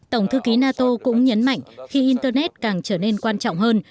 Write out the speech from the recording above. tổng thư ký nato cũng nhấn mạnh khi internet càng trở nên quan trọng hơn